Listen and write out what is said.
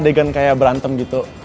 adegan kayak berantem gitu